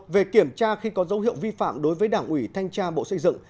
một về kiểm tra khi có dấu hiệu vi phạm đối với đảng ủy thanh tra bộ xây dựng